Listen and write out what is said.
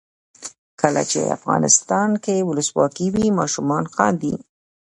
کله چې افغانستان کې ولسواکي وي ماشومان خاندي.